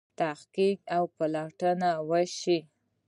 تحقیق او پلټنه وشي.